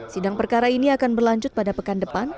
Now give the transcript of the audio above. sidang perkara ini akan berlanjut pada pekan depan